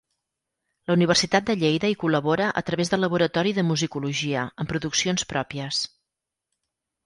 La Universitat de Lleida hi col·labora a través del Laboratori de Musicologia amb produccions pròpies.